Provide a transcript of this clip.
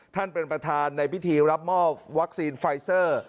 ท่านประธานในพิธีรับมอบวัคซีนไฟเซอร์